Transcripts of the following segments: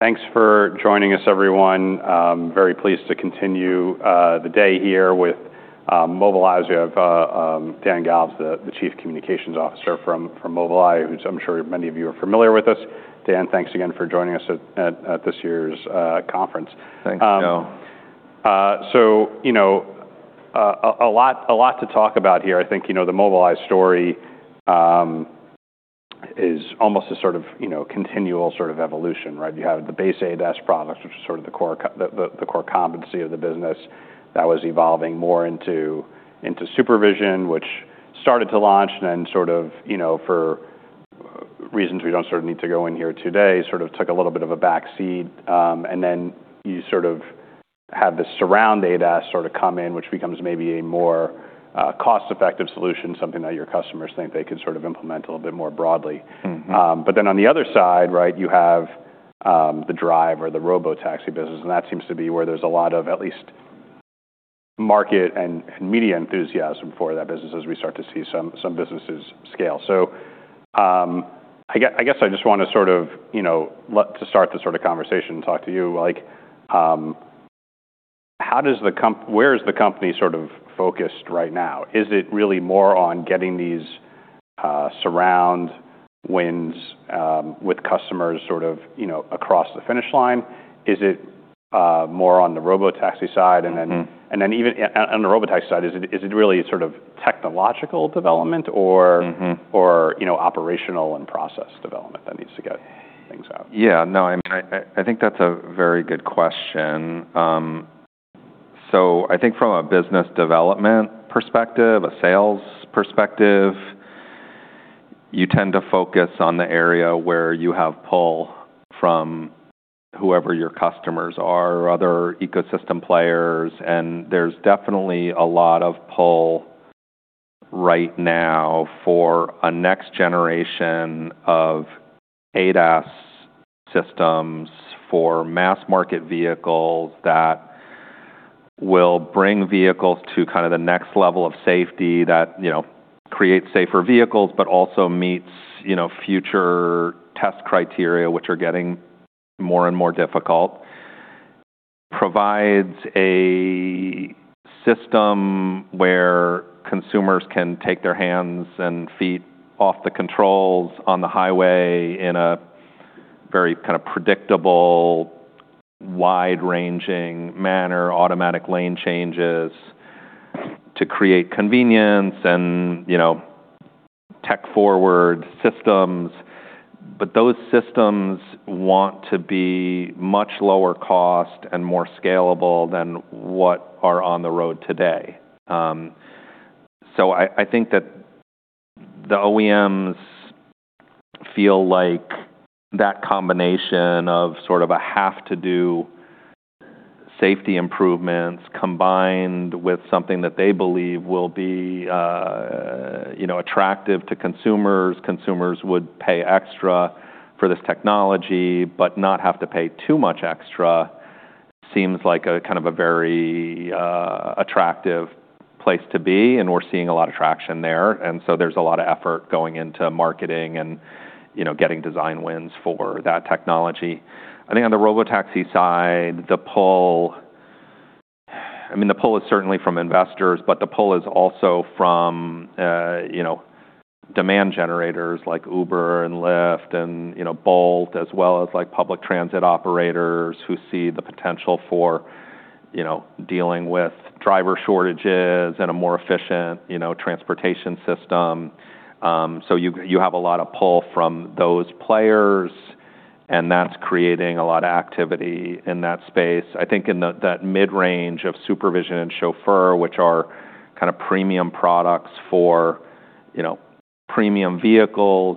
Thanks for joining us, everyone. Very pleased to continue the day here with Mobileye's Dan Galves, the Chief Communications Officer from Mobileye, who I'm sure many of you are familiar with. Dan, thanks again for joining us at this year's conference. Thanks, Joe. So, you know, a lot to talk about here. I think, you know, the Mobileye story is almost a sort of continual sort of evolution, right? You have the base ADS products, which is sort of the core competency of the business. That was evolving more into supervision, which started to launch and then sort of, you know, for reasons we don't sort of need to go in here today, sort of took a little bit of a backseat. And then you sort of have this surround ADS sort of come in, which becomes maybe a more cost-effective solution, something that your customers think they could sort of implement a little bit more broadly. But then on the other side, right, you have the drive or the robotaxi business, and that seems to be where there's a lot of at least market and media enthusiasm for that business as we start to see some businesses scale. So I guess I just want to sort of, you know, to start the sort of conversation and talk to you. Like, how does the company, where is the company sort of focused right now? Is it really more on getting these surround wins with customers sort of, you know, across the finish line? Is it more on the robotaxi side? And then even on the robotaxi side, is it really sort of technological development or, you know, operational and process development that needs to get things out? Yeah, no, I mean, I think that's a very good question. So I think from a business development perspective, a sales perspective, you tend to focus on the area where you have pull from whoever your customers are, other ecosystem players. And there's definitely a lot of pull right now for a next generation of ADAS systems for mass market vehicles that will bring vehicles to kind of the next level of safety that, you know, creates safer vehicles, but also meets, you know, future test criteria, which are getting more and more difficult. Provides a system where consumers can take their hands and feet off the controls on the highway in a very kind of predictable, wide-ranging manner, automatic lane changes to create convenience and, you know, tech-forward systems. But those systems want to be much lower cost and more scalable than what are on the road today. I think that the OEMs feel like that combination of sort of a have-to-do safety improvements combined with something that they believe will be, you know, attractive to consumers, consumers would pay extra for this technology, but not have to pay too much extra, seems like a kind of a very attractive place to be. We're seeing a lot of traction there. There's a lot of effort going into marketing and, you know, getting design wins for that technology. I think on the robotaxi side, the pull, I mean, the pull is certainly from investors, but the pull is also from, you know, demand generators like Uber and Lyft and, you know, Bolt, as well as like public transit operators who see the potential for, you know, dealing with driver shortages and a more efficient, you know, transportation system. So you have a lot of pull from those players, and that's creating a lot of activity in that space. I think in that mid-range of supervision and chauffeur, which are kind of premium products for, you know, premium vehicles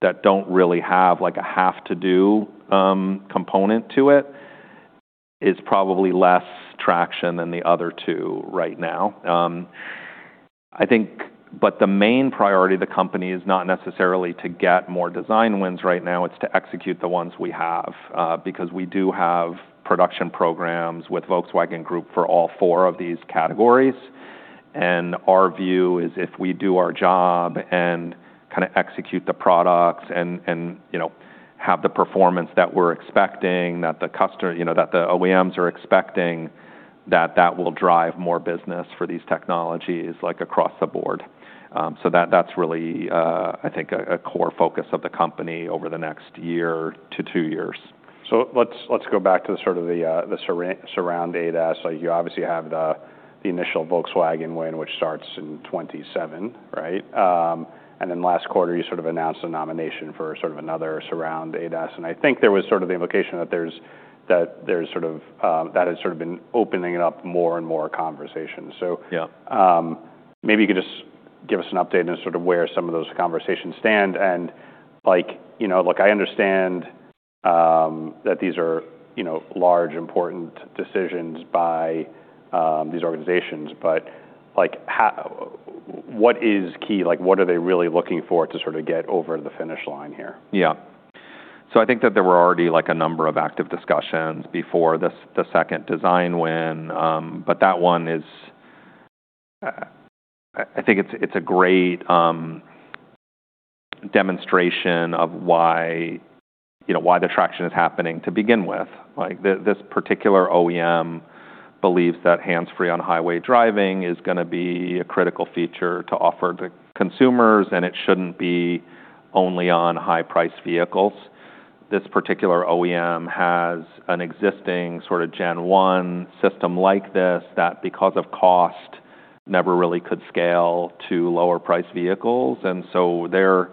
that don't really have like a have-to-do component to it, is probably less traction than the other two right now. I think, but the main priority of the company is not necessarily to get more design wins right now, it's to execute the ones we have, because we do have production programs with Volkswagen Group for all four of these categories. And our view is if we do our job and kind of execute the products and, you know, have the performance that we're expecting, that the customer, you know, that the OEMs are expecting, that that will drive more business for these technologies like across the board. So that's really, I think, a core focus of the company over the next year to two years. So let's go back to the sort of the surround ADAS. Like you obviously have the initial Volkswagen win, which starts in 2027, right? And then last quarter, you sort of announced a nomination for sort of another surround ADAS. And I think there was sort of the implication that there's sort of that has sort of been opening up more and more conversations. So maybe you could just give us an update on sort of where some of those conversations stand. And like, you know, look, I understand that these are, you know, large, important decisions by these organizations, but like what is key? Like what are they really looking for to sort of get over the finish line here? Yeah. So I think that there were already like a number of active discussions before the second design win. But that one is, I think it's a great demonstration of why, you know, why the traction is happening to begin with. Like this particular OEM believes that hands-free on highway driving is going to be a critical feature to offer to consumers, and it shouldn't be only on high-priced vehicles. This particular OEM has an existing sort of Gen-one system like this that because of cost never really could scale to lower-priced vehicles. And so their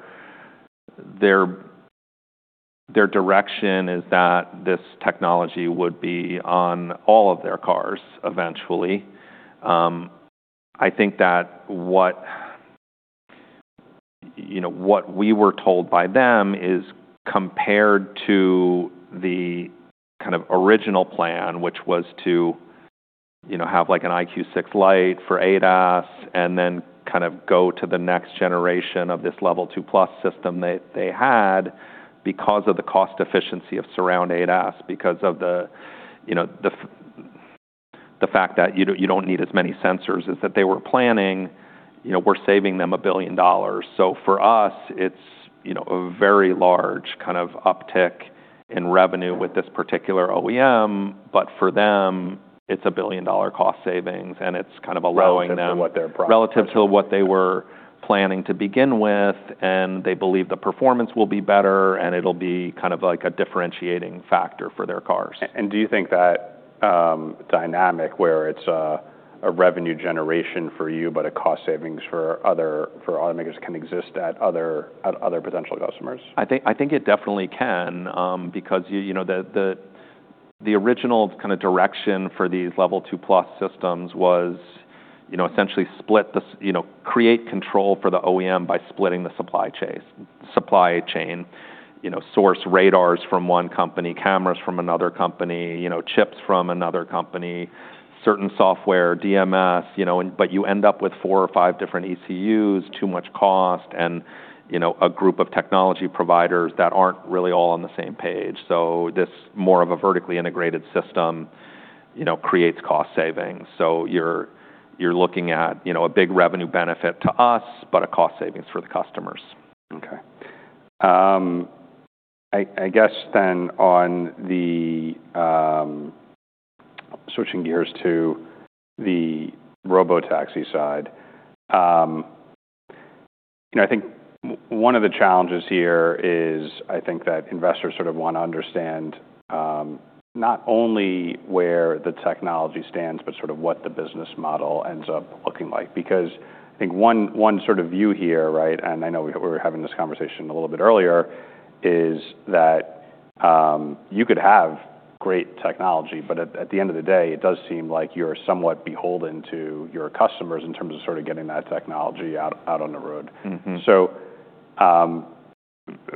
direction is that this technology would be on all of their cars eventually. I think that what, you know, what we were told by them is compared to the kind of original plan, which was to, you know, have like an EyeQ6 Lite for ADAS and then kind of go to the next generation of this Level 2+ system that they had because of the cost efficiency of Surround ADAS, because of the, you know, the fact that you don't need as many sensors as that they were planning, you know, we're saving them $1 billion. So for us, it's, you know, a very large kind of uptick in revenue with this particular OEM, but for them, it's a $1 billion cost savings and it's kind of allowing them. Relative to what their product is. Relative to what they were planning to begin with, and they believe the performance will be better and it'll be kind of like a differentiating factor for their cars. Do you think that dynamic where it's a revenue generation for you, but a cost savings for other automakers can exist at other potential customers? I think it definitely can, because, you know, the original kind of direction for these Level 2+ systems was, you know, essentially split the, you know, create control for the OEM by splitting the supply chain, you know, source radars from one company, cameras from another company, you know, chips from another company, certain software, DMS, you know, but you end up with four or five different ECUs, too much cost, and, you know, a group of technology providers that aren't really all on the same page. So this more of a vertically integrated system, you know, creates cost savings. So you're looking at, you know, a big revenue benefit to us, but a cost savings for the customers. Okay. I guess then on switching gears to the robotaxi side, you know, I think one of the challenges here is I think that investors sort of want to understand not only where the technology stands, but sort of what the business model ends up looking like. Because I think one sort of view here, right, and I know we were having this conversation a little bit earlier, is that you could have great technology, but at the end of the day, it does seem like you're somewhat beholden to your customers in terms of sort of getting that technology out on the road. So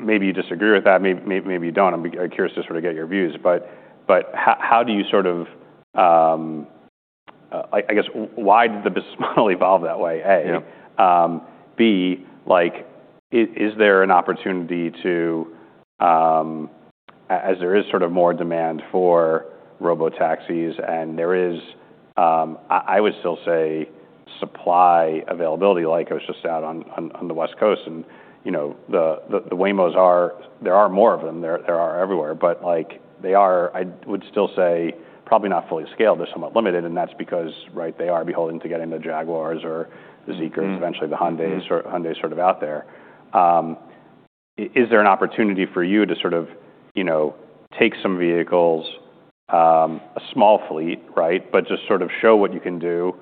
maybe you disagree with that, maybe you don't. I'm curious to sort of get your views. But how do you sort of, I guess, why did the business model evolve that way? A. B. Like, is there an opportunity to, as there is sort of more demand for robotaxis and there is, I would still say supply availability, like I was just out on the West Coast and, you know, the Waymos are, there are more of them, there are everywhere, but like they are, I would still say probably not fully scaled, they're somewhat limited. And that's because, right, they are beholden to getting the Jaguars or the Zeekrs, eventually the Hyundai sort of out there. Is there an opportunity for you to sort of, you know, take some vehicles, a small fleet, right, but just sort of show what you can do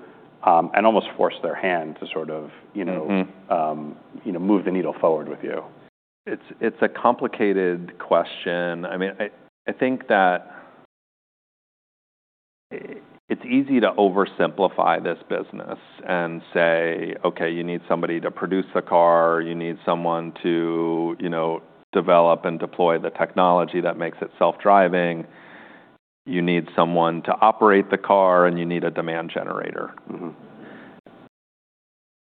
and almost force their hand to sort of, you know, move the needle forward with you? It's a complicated question. I mean, I think that it's easy to oversimplify this business and say, okay, you need somebody to produce the car, you need someone to, you know, develop and deploy the technology that makes it self-driving, you need someone to operate the car and you need a demand generator.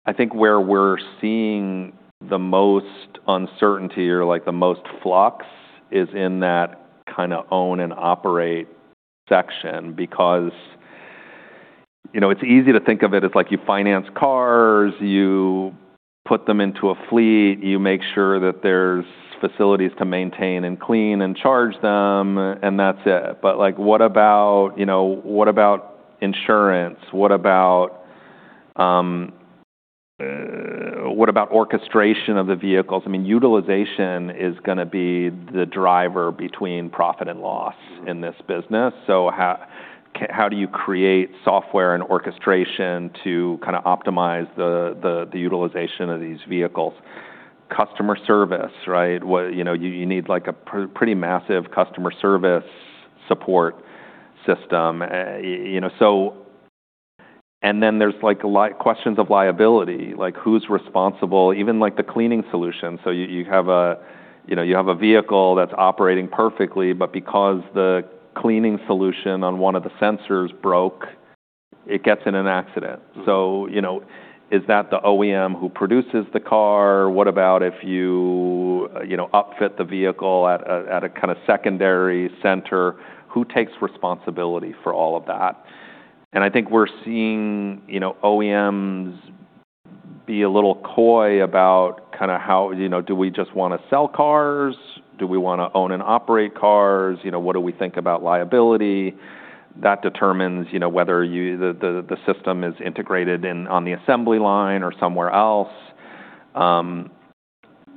I think where we're seeing the most uncertainty or like the most flux is in that kind of own and operate section because, you know, it's easy to think of it as like you finance cars, you put them into a fleet, you make sure that there's facilities to maintain and clean and charge them and that's it. But like what about, you know, what about insurance? What about orchestration of the vehicles? I mean, utilization is going to be the driver between profit and loss in this business. So how do you create software and orchestration to kind of optimize the utilization of these vehicles? Customer service, right? You know, you need like a pretty massive customer service support system, you know. So, and then there's like questions of liability, like who's responsible, even like the cleaning solution. So you have, you know, you have a vehicle that's operating perfectly, but because the cleaning solution on one of the sensors broke, it gets in an accident. So, you know, is that the OEM who produces the car? What about if you, you know, upfit the vehicle at a kind of secondary center? Who takes responsibility for all of that? And I think we're seeing, you know, OEMs be a little coy about kind of how, you know, do we just want to sell cars? Do we want to own and operate cars? You know, what do we think about liability? That determines, you know, whether the system is integrated on the assembly line or somewhere else.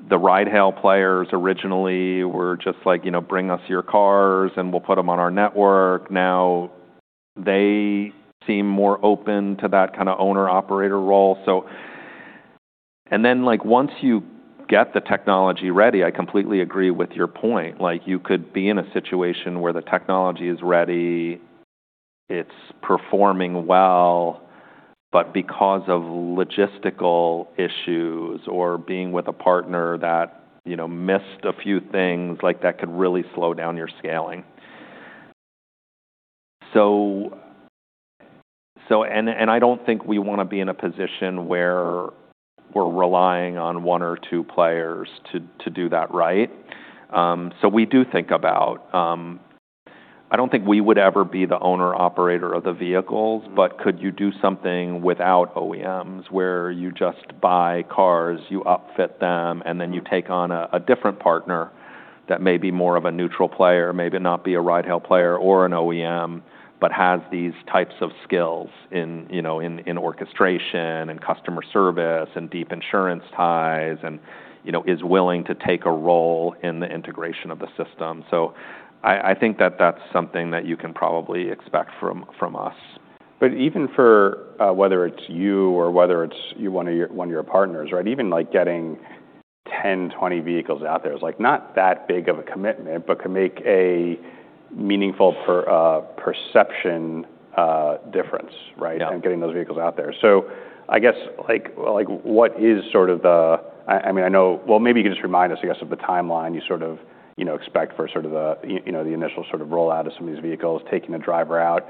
The ride-hail players originally were just like, you know, bring us your cars and we'll put them on our network. Now they seem more open to that kind of owner-operator role, so, and then like once you get the technology ready, I completely agree with your point. Like you could be in a situation where the technology is ready, it's performing well, but because of logistical issues or being with a partner that, you know, missed a few things, like that could really slow down your scaling, so, and I don't think we want to be in a position where we're relying on one or two players to do that right? So, we do think about, I don't think we would ever be the owner-operator of the vehicles, but could you do something without OEMs where you just buy cars, you upfit them, and then you take on a different partner that may be more of a neutral player, maybe not be a ride-hail player or an OEM, but has these types of skills in, you know, in orchestration and customer service and deep insurance ties and, you know, is willing to take a role in the integration of the system, so I think that that's something that you can probably expect from us. But even for whether it's you or whether it's you want to one of your partners, right, even like getting 10, 20 vehicles out there is like not that big of a commitment, but can make a meaningful perception difference, right, in getting those vehicles out there, so I guess like what is sort of the, I mean, I know, well, maybe you can just remind us, I guess, of the timeline you sort of, you know, expect for sort of the, you know, the initial sort of rollout of some of these vehicles, taking a driver out,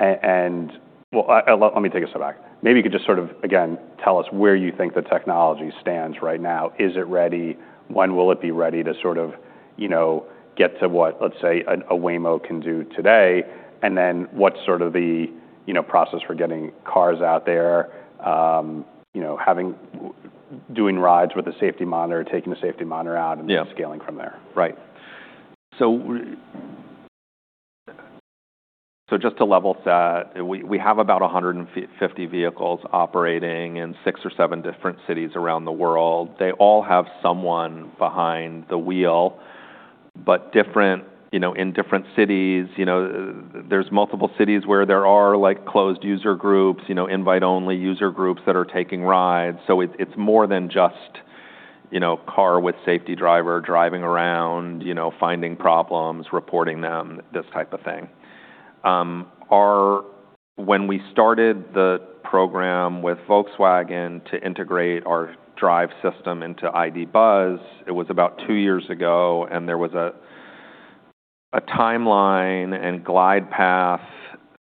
and, well, let me take a step back. Maybe you could just sort of, again, tell us where you think the technology stands right now. Is it ready? When will it be ready to sort of, you know, get to what, let's say, a Waymo can do today? And then what's sort of the, you know, process for getting cars out there, you know, having, doing rides with a safety monitor, taking a safety monitor out and then scaling from there? Right, so just to level set, we have about 150 vehicles operating in six or seven different cities around the world. They all have someone behind the wheel, but different, you know, in different cities, you know, there's multiple cities where there are like closed user groups, you know, invite-only user groups that are taking rides, so it's more than just, you know, car with safety driver driving around, you know, finding problems, reporting them, this type of thing. When we started the program with Volkswagen to integrate our drive system into ID. Buzz, it was about two years ago and there was a timeline and glide path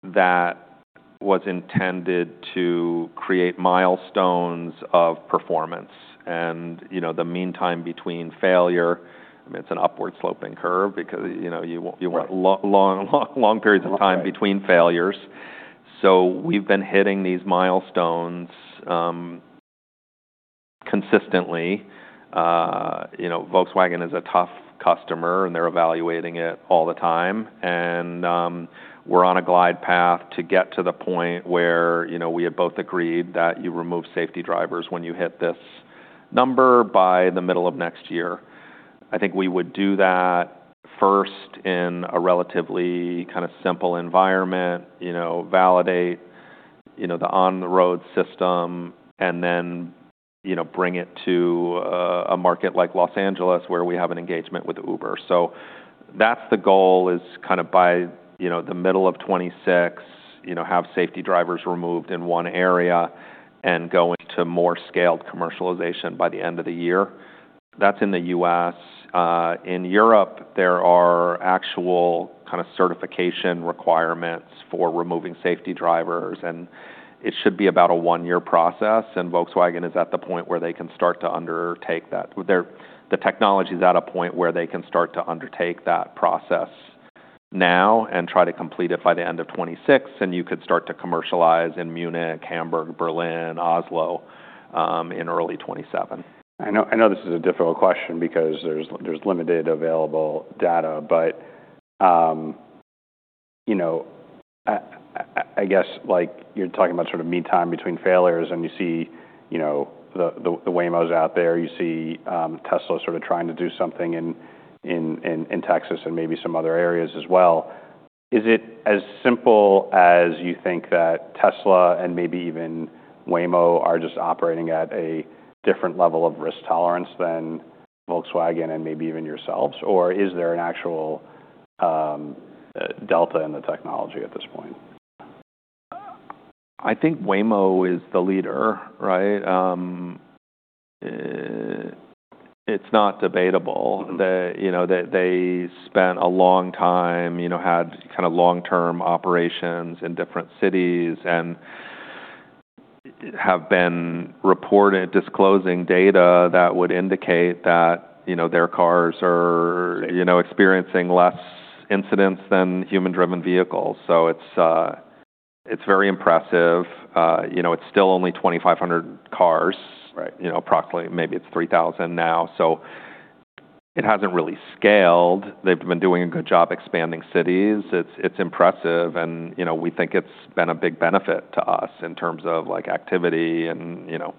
that was intended to create milestones of performance and you know, the meantime between failure, I mean, it's an upward sloping curve because, you know, you want long periods of time between failures, so we've been hitting these milestones consistently. You know, Volkswagen is a tough customer and they're evaluating it all the time. And we're on a glide path to get to the point where, you know, we have both agreed that you remove safety drivers when you hit this number by the middle of next year. I think we would do that first in a relatively kind of simple environment, you know, validate, you know, the on-the-road system and then, you know, bring it to a market like Los Angeles where we have an engagement with Uber. So that's the goal is kind of by, you know, the middle of 2026, you know, have safety drivers removed in one area and go into more scaled commercialization by the end of the year. That's in the U.S. In Europe, there are actual kind of certification requirements for removing safety drivers and it should be about a one-year process. Volkswagen is at the point where they can start to undertake that. The technology is at a point where they can start to undertake that process now and try to complete it by the end of 2026. You could start to commercialize in Munich, Hamburg, Berlin, Oslo in early 2027. I know this is a difficult question because there's limited available data, but, you know, I guess like you're talking about sort of meantime between failures and you see, you know, the Waymos out there, you see Tesla sort of trying to do something in Texas and maybe some other areas as well. Is it as simple as you think that Tesla and maybe even Waymo are just operating at a different level of risk tolerance than Volkswagen and maybe even yourselves? Or is there an actual delta in the technology at this point? I think Waymo is the leader, right? It's not debatable that, you know, they spent a long time, you know, had kind of long-term operations in different cities and have been disclosing data that would indicate that, you know, their cars are, you know, experiencing less incidents than human-driven vehicles. So it's very impressive. You know, it's still only 2,500 cars, you know, approximately maybe it's 3,000 now. So it hasn't really scaled. They've been doing a good job expanding cities. It's impressive and, you know, we think it's been a big benefit to us in terms of like activity and, you know,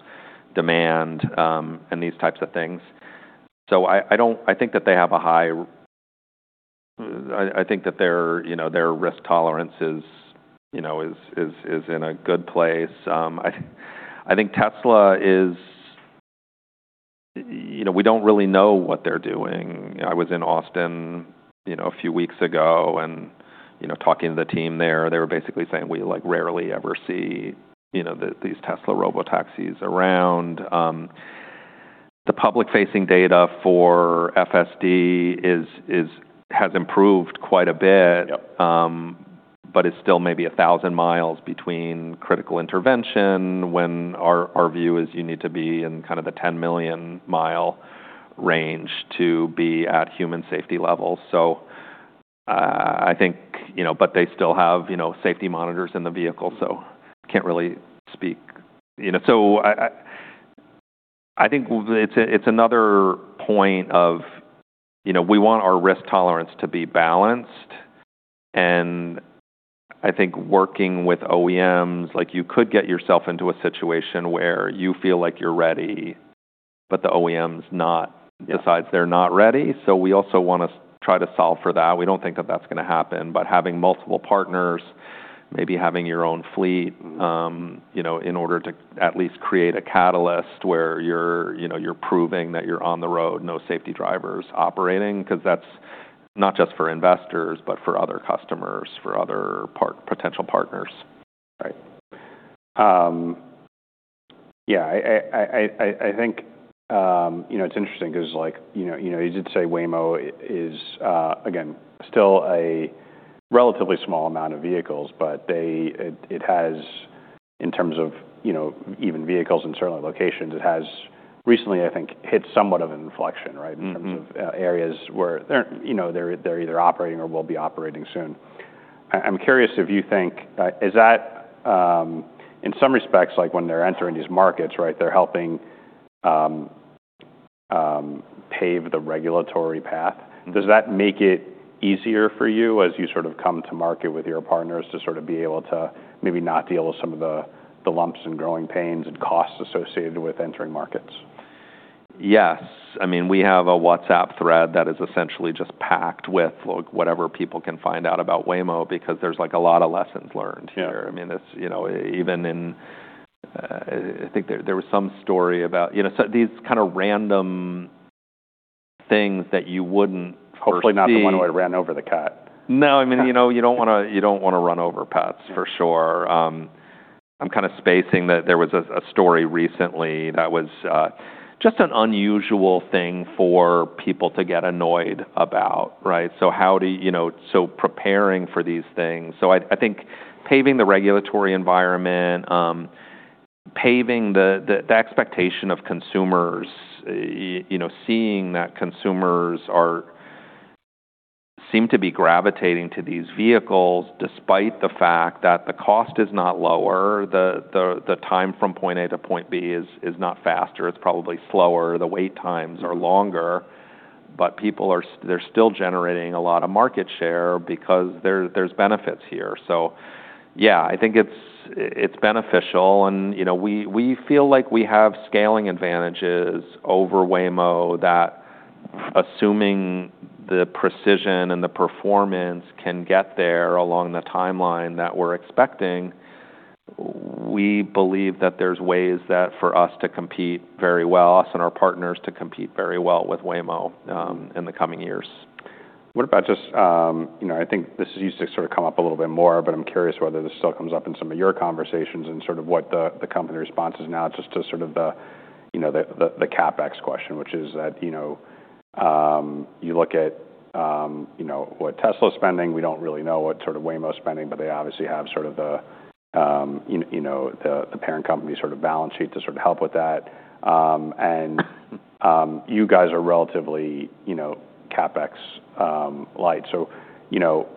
demand and these types of things. So I don't, I think that they have a high, I think that their, you know, their risk tolerance is, you know, is in a good place. I think Tesla is, you know, we don't really know what they're doing. I was in Austin, you know, a few weeks ago and, you know, talking to the team there. They were basically saying we like rarely ever see, you know, these Tesla robotaxis around. The public-facing data for FSD has improved quite a bit, but it's still maybe a thousand miles between critical intervention when our view is you need to be in kind of the 10 million-mile range to be at human safety levels, so I think, you know, but they still have, you know, safety monitors in the vehicle, so can't really speak, you know. So I think it's another point of, you know, we want our risk tolerance to be balanced, and I think working with OEMs, like you could get yourself into a situation where you feel like you're ready, but the OEMs decide they're not ready. We also want to try to solve for that. We don't think that that's going to happen, but having multiple partners, maybe having your own fleet, you know, in order to at least create a catalyst where you're, you know, you're proving that you're on the road, no safety drivers operating because that's not just for investors, but for other customers, for other potential partners. Right. Yeah, I think, you know, it's interesting because like, you know, you did say Waymo is, again, still a relatively small amount of vehicles, but it has in terms of, you know, even vehicles in certain locations, it has recently, I think, hit somewhat of an inflection, right, in terms of areas where, you know, they're either operating or will be operating soon. I'm curious if you think, is that in some respects, like when they're entering these markets, right, they're helping pave the regulatory path. Does that make it easier for you as you sort of come to market with your partners to sort of be able to maybe not deal with some of the lumps and growing pains and costs associated with entering markets? Yes. I mean, we have a WhatsApp thread that is essentially just packed with whatever people can find out about Waymo because there's like a lot of lessons learned here. I mean, it's, you know, even in, I think there was some story about, you know, these kind of random things that you wouldn't. Hopefully not the one where it ran over the cut. No, I mean, you know, you don't want to run over pets for sure. I'm kind of spacing that there was a story recently that was just an unusual thing for people to get annoyed about, right? So how do you, you know, so preparing for these things. So I think paving the regulatory environment, paving the expectation of consumers, you know, seeing that consumers seem to be gravitating to these vehicles despite the fact that the cost is not lower, the time from point A to point B is not faster, it's probably slower, the wait times are longer, but people are, they're still generating a lot of market share because there's benefits here. So yeah, I think it's beneficial and, you know, we feel like we have scaling advantages over Waymo that, assuming the precision and the performance can get there along the timeline that we're expecting, we believe that there's ways that for us to compete very well and our partners to compete very well with Waymo in the coming years. What about just, you know, I think this used to sort of come up a little bit more, but I'm curious whether this still comes up in some of your conversations and sort of what the company response is now just to sort of the, you know, the CapEx question, which is that, you know, you look at, you know, what Tesla is spending. We don't really know what sort of Waymo is spending, but they obviously have sort of the, you know, the parent company sort of balance sheet to sort of help with that, and you guys are relatively, you know, CapEx Light. So, you know,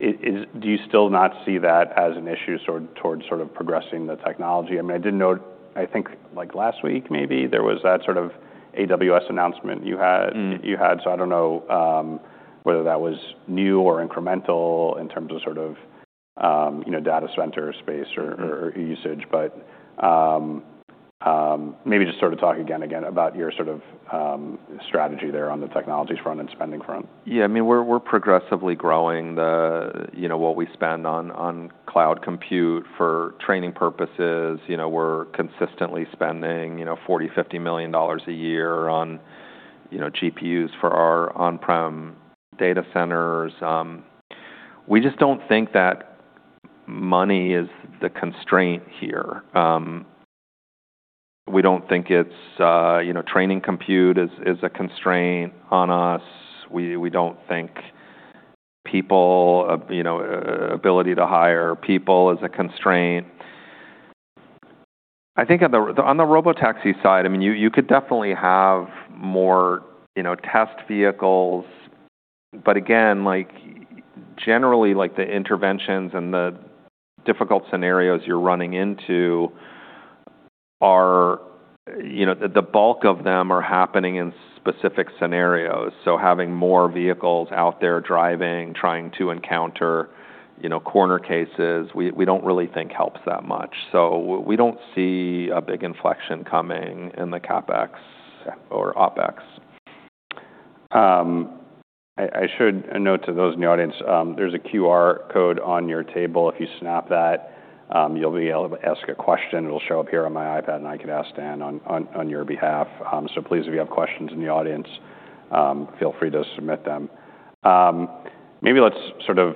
do you still not see that as an issue sort of towards sort of progressing the technology? I mean, I did note, I think like last week maybe there was that sort of AWS announcement you had. I don't know whether that was new or incremental in terms of sort of, you know, data center space or usage, but maybe just sort of talk again about your sort of strategy there on the technology front and spending front. Yeah, I mean, we're progressively growing, you know, what we spend on cloud compute for training purposes. You know, we're consistently spending, you know, $40 million-$50 million a year on, you know, GPUs for our on-prem data centers. We just don't think that money is the constraint here. We don't think it's, you know, training compute is a constraint on us. We don't think people, you know, ability to hire people is a constraint. I think on the robotaxi side, I mean, you could definitely have more, you know, test vehicles, but again, like generally like the interventions and the difficult scenarios you're running into are, you know, the bulk of them are happening in specific scenarios. So having more vehicles out there driving, trying to encounter, you know, corner cases, we don't really think helps that much. We don't see a big inflection coming in the CapEx or OpEx. I should note to those in the audience, there's a QR code on your table. If you snap that, you'll be able to ask a question. It'll show up here on my iPad and I can ask Dan on your behalf. So please, if you have questions in the audience, feel free to submit them. Maybe let's sort of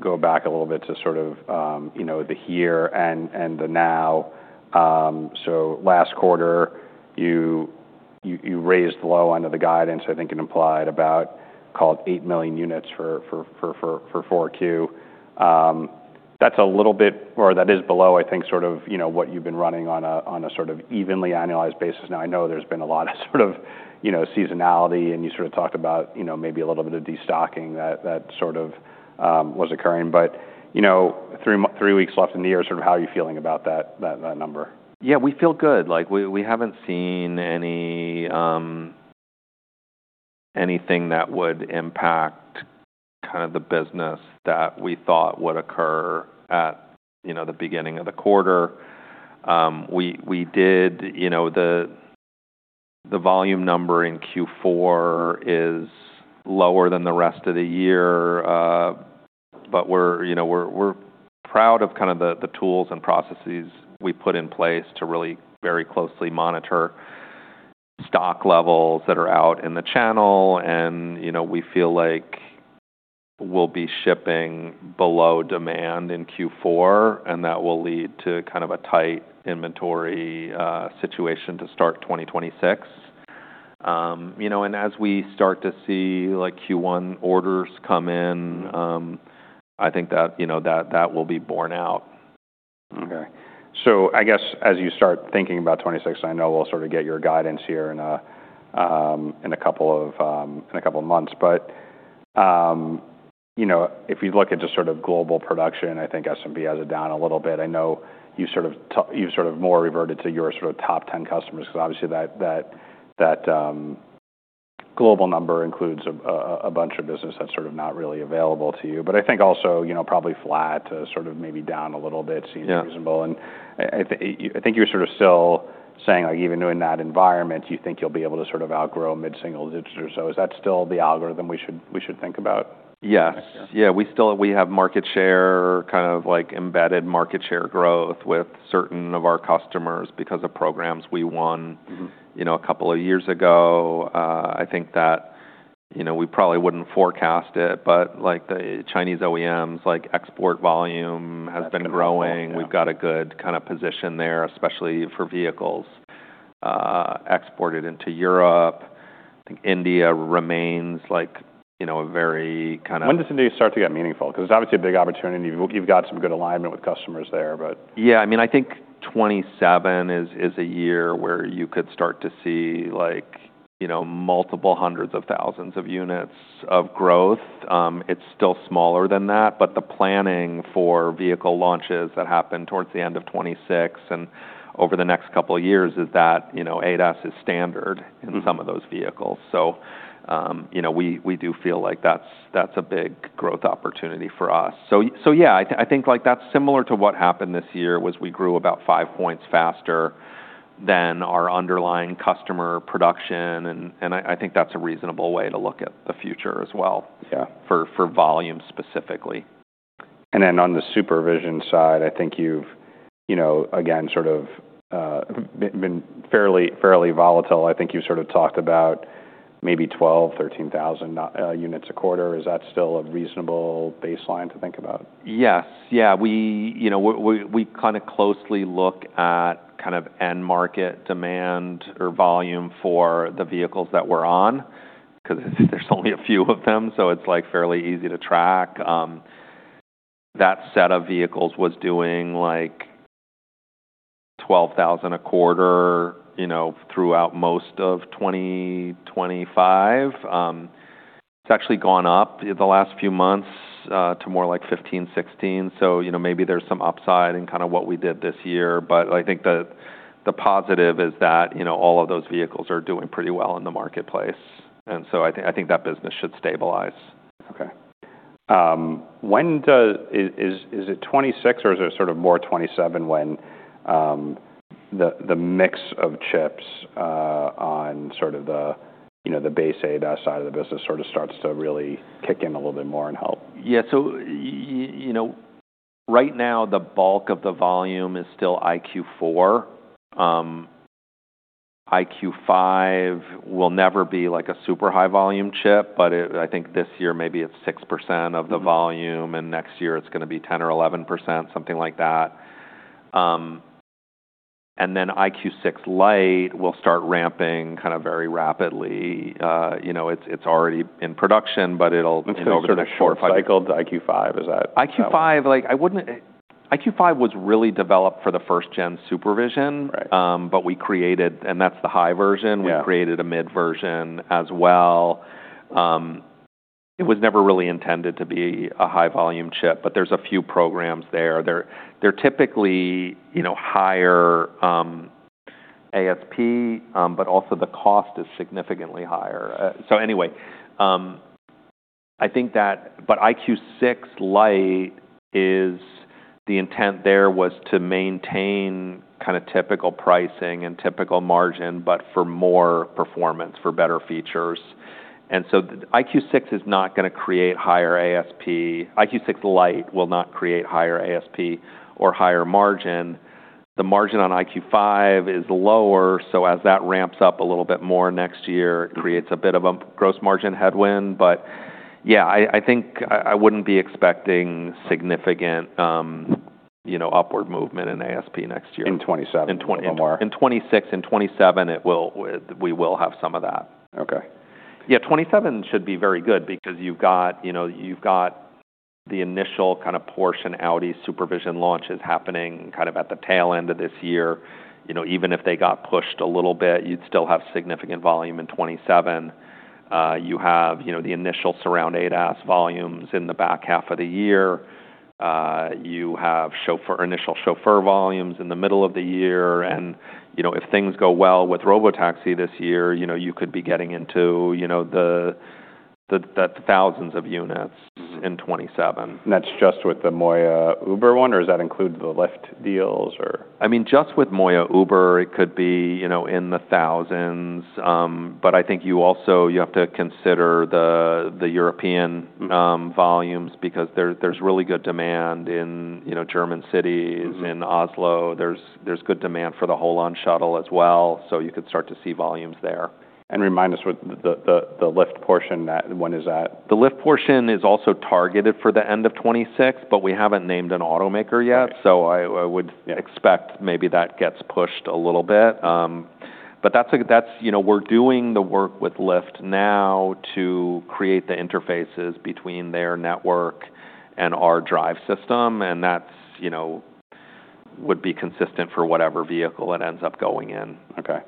go back a little bit to sort of, you know, the here and the now. So last quarter, you raised the low end of the guidance. I think it implied about, call it eight million units for 4Q. That's a little bit, or that is below, I think sort of, you know, what you've been running on a sort of evenly annualized basis. Now, I know there's been a lot of sort of, you know, seasonality and you sort of talked about, you know, maybe a little bit of destocking that sort of was occurring. But, you know, three weeks left in the year, sort of how are you feeling about that number? Yeah, we feel good. Like we haven't seen anything that would impact kind of the business that we thought would occur at, you know, the beginning of the quarter. We did, you know, the volume number in Q4 is lower than the rest of the year, but we're, you know, we're proud of kind of the tools and processes we put in place to really very closely monitor stock levels that are out in the channel, and, you know, we feel like we'll be shipping below demand in Q4 and that will lead to kind of a tight inventory situation to start 2026. You know, and as we start to see like Q1 orders come in, I think that, you know, that will be borne out. Okay. So I guess as you start thinking about 2026, I know we'll sort of get your guidance here in a couple of months. But, you know, if you look at just sort of global production, I think S&P has it down a little bit. I know you've sort of more reverted to your sort of top 10 customers because obviously that global number includes a bunch of business that's sort of not really available to you. But I think also, you know, probably flat to sort of maybe down a little bit seems reasonable. And I think you're sort of still saying like even in that environment, you think you'll be able to sort of outgrow mid-single digit or so. Is that still the algorithm we should think about? Yes. Yeah, we have market share kind of like embedded market share growth with certain of our customers because of programs we won, you know, a couple of years ago. I think that, you know, we probably wouldn't forecast it, but like the Chinese OEMs, like export volume has been growing. We've got a good kind of position there, especially for vehicles exported into Europe. I think India remains like, you know, a very kind of. When does India start to get meaningful? Because it's obviously a big opportunity. You've got some good alignment with customers there, but. Yeah, I mean, I think 2027 is a year where you could start to see like, you know, multiple hundreds of thousands of units of growth. It's still smaller than that, but the planning for vehicle launches that happen towards the end of 2026 and over the next couple of years is that, you know, ADAS is standard in some of those vehicles. So, you know, we do feel like that's a big growth opportunity for us. So yeah, I think like that's similar to what happened this year was we grew about five points faster than our underlying customer production. And I think that's a reasonable way to look at the future as well for volume specifically. Then on the SuperVision side, I think you've, you know, again, sort of been fairly volatile. I think you sort of talked about maybe 12,000, 13,000 units a quarter. Is that still a reasonable baseline to think about? Yes. Yeah. We, you know, we kind of closely look at kind of end market demand or volume for the vehicles that we're on because there's only a few of them. So it's like fairly easy to track. That set of vehicles was doing like 12,000 a quarter, you know, throughout most of 2025. It's actually gone up in the last few months to more like 15, 16. So, you know, maybe there's some upside in kind of what we did this year, but I think the positive is that, you know, all of those vehicles are doing pretty well in the marketplace, and so I think that business should stabilize. Okay. Is it 2026 or is it sort of more 2027 when the mix of chips on sort of the, you know, the base ADAS side of the business sort of starts to really kick in a little bit more and help? Yeah. So, you know, right now the bulk of the volume is still EyeQ4. EyeQ5 will never be like a super high volume chip, but I think this year maybe it's 6% of the volume and next year it's going to be 10% or 11%, something like that. And then EyeQ6 Lite will start ramping kind of very rapidly. You know, it's already in production, but it'll be over four or five. It's sort of short cycled to EyeQ5. Is that? EyeQ5, like EyeQ5 was really developed for the first-gen SuperVision, but we created, and that's the high version. We created a mid version as well. It was never really intended to be a high volume chip, but there's a few programs there. They're typically, you know, higher ASP, but also the cost is significantly higher. So anyway, I think that, but EyeQ6 Lite is the intent there was to maintain kind of typical pricing and typical margin, but for more performance, for better features. And so EyeQ6 is not going to create higher ASP. EyeQ6 Lite will not create higher ASP or higher margin. The margin on EyeQ5 is lower. So as that ramps up a little bit more next year, it creates a bit of a gross margin headwind. Yeah, I think I wouldn't be expecting significant, you know, upward movement in ASP next year. In 2027 or more? In 2026 and 2027, we will have some of that. Okay. Yeah, 2027 should be very good because you've got, you know, you've got the initial kind of portion of Audi SuperVision launches happening kind of at the tail end of this year. You know, even if they got pushed a little bit, you'd still have significant volume in 2027. You have, you know, the initial Surround ADAS volumes in the back half of the year. You have initial Chauffeur volumes in the middle of the year. And, you know, if things go well with robotaxi this year, you know, you could be getting into, you know, the thousands of units in 2027. That's just with the MOIA Uber one, or does that include the Lyft deals or? I mean, just with MOIA Uber, it could be, you know, in the thousands. But I think you also, you have to consider the European volumes because there's really good demand in, you know, German cities in Oslo. There's good demand for the HOLON shuttle as well. So you could start to see volumes there. Remind us what the Lyft portion, that one is at? The Lyft portion is also targeted for the end of 2026, but we haven't named an automaker yet, so I would expect maybe that gets pushed a little bit, but that's, you know, we're doing the work with Lyft now to create the interfaces between their network and our drive system, and that's, you know, would be consistent for whatever vehicle it ends up going in. Okay.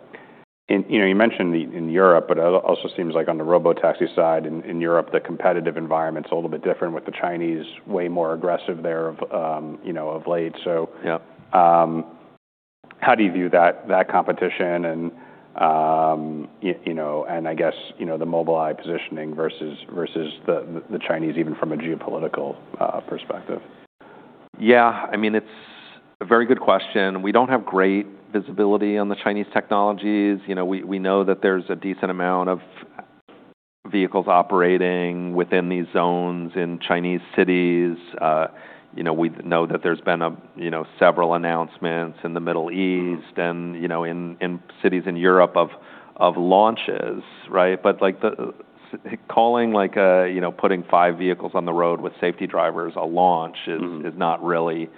And, you know, you mentioned in Europe, but it also seems like on the robotaxi side in Europe, the competitive environment's a little bit different with the Chinese way more aggressive there of, you know, of late. So how do you view that competition and, you know, and I guess, you know, the Mobileye positioning versus the Chinese, even from a geopolitical perspective? Yeah. I mean, it's a very good question. We don't have great visibility on the Chinese technologies. You know, we know that there's a decent amount of vehicles operating within these zones in Chinese cities. You know, we know that there's been, you know, several announcements in the Middle East and, you know, in cities in Europe of launches, right? But like calling a, you know, putting five vehicles on the road with safety drivers a launch is not really,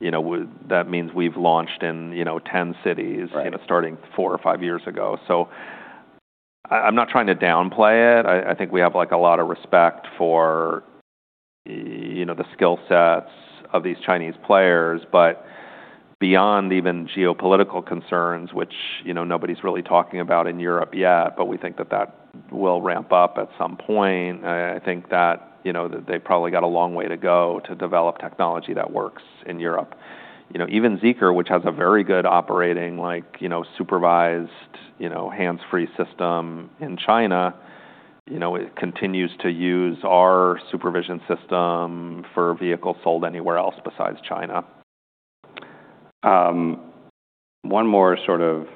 you know, that means we've launched in, you know, 10 cities, you know, starting four or five years ago. So I'm not trying to downplay it. I think we have like a lot of respect for, you know, the skill sets of these Chinese players. But beyond even geopolitical concerns, which, you know, nobody's really talking about in Europe yet, but we think that that will ramp up at some point. I think that, you know, they've probably got a long way to go to develop technology that works in Europe. You know, even Zeekr, which has a very good operating, like, you know, supervised, you know, hands-free system in China, you know, it continues to use our supervision system for vehicles sold anywhere else besides China. One more sort of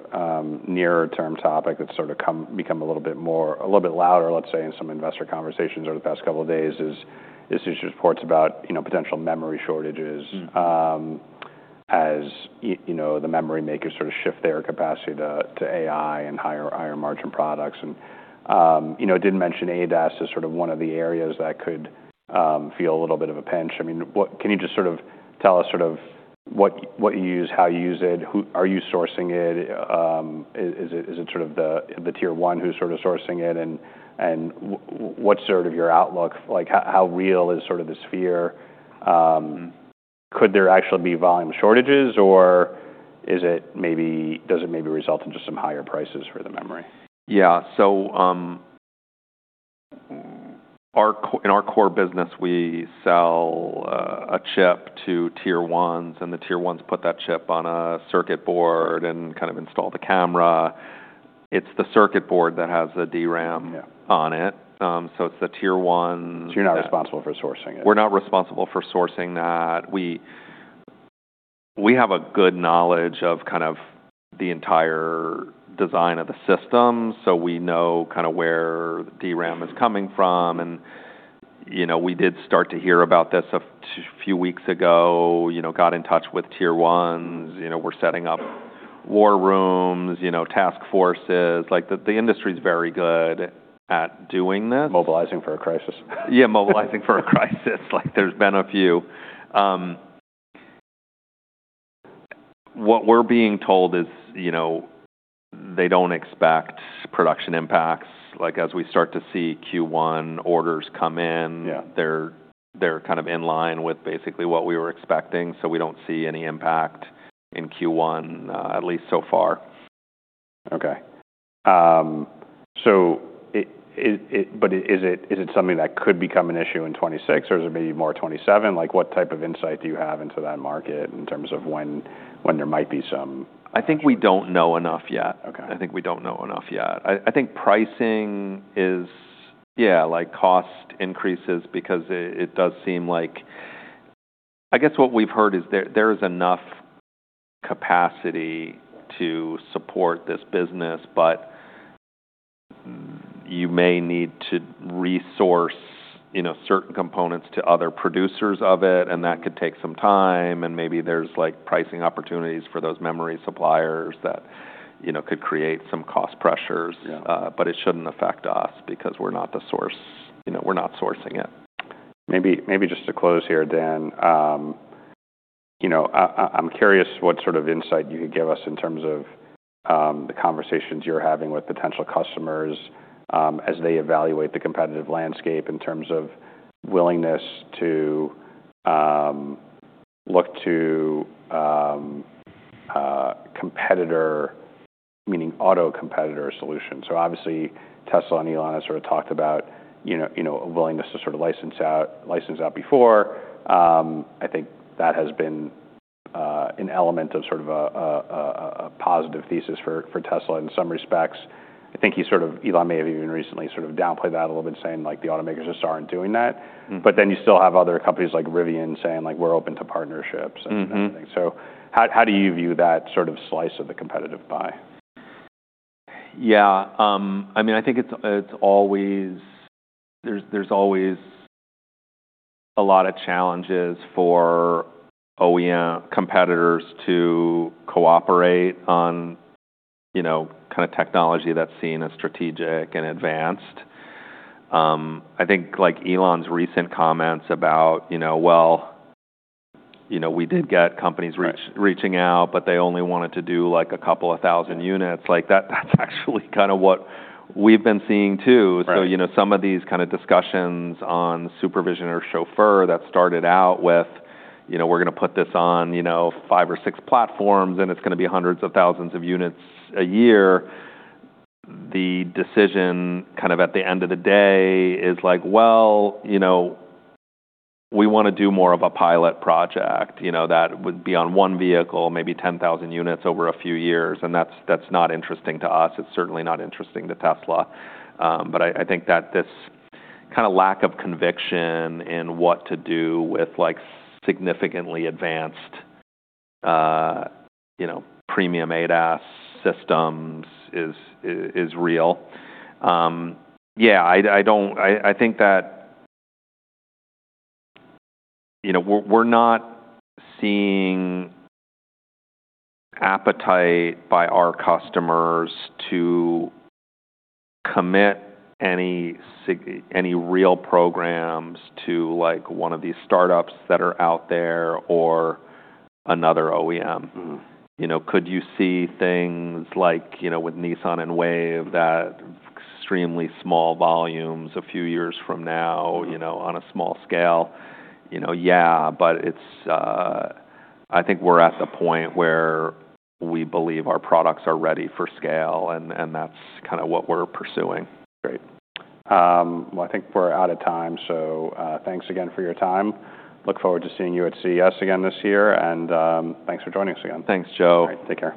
nearer-term topic that's sort of become a little bit more, a little bit louder, let's say, in some investor conversations over the past couple of days is these reports about, you know, potential memory shortages as, you know, the memory makers sort of shift their capacity to AI and higher margin products. And, you know, it did mention ADAS as sort of one of the areas that could feel a little bit of a pinch. I mean, can you just sort of tell us sort of what you use, how you use it? Are you sourcing it? Is it sort of the Tier one who's sort of sourcing it? And what's sort of your outlook? Like how real is sort of the fear? Could there actually be volume shortages or is it maybe, does it maybe result in just some higher prices for the memory? Yeah. So in our core business, we sell a chip to Tier ones and the Tier ones put that chip on a circuit board and kind of install the camera. It's the circuit board that has the DRAM on it. So it's the Tier one. So you're not responsible for sourcing it? We're not responsible for sourcing that. We have a good knowledge of kind of the entire design of the system. So we know kind of where DRAM is coming from. And, you know, we did start to hear about this a few weeks ago, you know, got in touch with tier ones, you know, we're setting up war rooms, you know, task forces, like the industry is very good at doing this. Mobilizing for a crisis. Yeah, mobilizing for a crisis. Like there's been a few. What we're being told is, you know, they don't expect production impacts. Like as we start to see Q1 orders come in, they're kind of in line with basically what we were expecting. So we don't see any impact in Q1, at least so far. Okay. So is it something that could become an issue in 2026 or is it maybe more 2027? Like what type of insight do you have into that market in terms of when there might be some? I think we don't know enough yet. I think pricing is, yeah, like cost increases because it does seem like, I guess what we've heard is there is enough capacity to support this business, but you may need to resource, you know, certain components to other producers of it. And that could take some time and maybe there's like pricing opportunities for those memory suppliers that, you know, could create some cost pressures. But it shouldn't affect us because we're not the source, you know, we're not sourcing it. Maybe just to close here, Dan, you know, I'm curious what sort of insight you could give us in terms of the conversations you're having with potential customers as they evaluate the competitive landscape in terms of willingness to look to competitor, meaning auto competitor solutions. So obviously Tesla and Elon have sort of talked about, you know, a willingness to sort of license out before. I think that has been an element of sort of a positive thesis for Tesla in some respects. I think you sort of, Elon may have even recently sort of downplayed that a little bit saying like the automakers just aren't doing that. But then you still have other companies like Rivian saying like we're open to partnerships and everything. So how do you view that sort of slice of the competitive pie? Yeah. I mean, I think it's always, there's always a lot of challenges for competitors to cooperate on, you know, kind of technology that's seen as strategic and advanced. I think like Elon's recent comments about, you know, well, you know, we did get companies reaching out, but they only wanted to do like a couple of thousand units. Like that's actually kind of what we've been seeing too. So, you know, some of these kind of discussions on SuperVision or Chauffeur that started out with, you know, we're going to put this on, you know, five or six platforms and it's going to be hundreds of thousands of units a year. The decision kind of at the end of the day is like, well, you know, we want to do more of a pilot project, you know, that would be on one vehicle, maybe 10,000 units over a few years. And that's not interesting to us. It's certainly not interesting to Tesla. But I think that this kind of lack of conviction in what to do with like significantly advanced, you know, premium ADAS systems is real. Yeah. I think that, you know, we're not seeing appetite by our customers to commit any real programs to like one of these startups that are out there or another OEM. You know, could you see things like, you know, with Nissan and Wayve that extremely small volumes a few years from now, you know, on a small scale? You know, yeah, but it's, I think, we're at the point where we believe our products are ready for scale and that's kind of what we're pursuing. Great. Well, I think we're out of time. So thanks again for your time. Look forward to seeing you at CES again this year. And thanks for joining us again. Thanks, Joe. Take care.